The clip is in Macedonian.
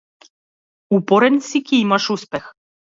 Упорен си ќе имаш успех.